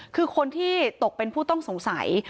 คือคนที่ตกเป็นผู้ต้องสงสัย